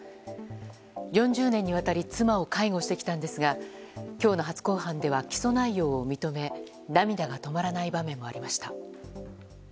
４０年にわたり妻を介護してきたんですが今日の初公判では起訴内容を認め涙が止まらない場面もありました。